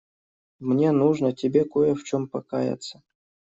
Мне нужно тебе кое в чём покаяться.